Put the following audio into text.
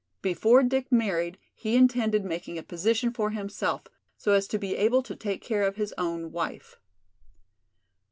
Before Dick married he intended making a position for himself, so as to be able to take care of his own wife.